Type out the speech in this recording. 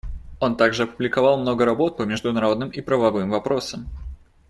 Он также опубликовал много работ по международным и правовым вопросам.